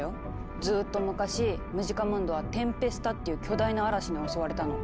ずっと昔ムジカムンドは「テンペスタ」っていう巨大な嵐に襲われたの。